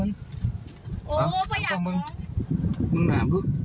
มึงหาบ้าง